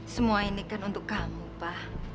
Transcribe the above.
semua ini kan untuk kamu pak